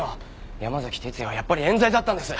山崎哲也はやっぱり冤罪だったんです。